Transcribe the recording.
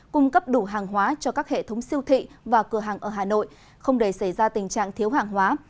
cung cấp đủ hàng hóa cho các hệ thống siêu thị và cửa hàng ở hà nội không để xảy ra tình trạng thiếu hàng hóa